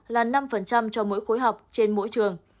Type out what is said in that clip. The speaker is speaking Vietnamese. là năm cho mỗi khối học trên mỗi trường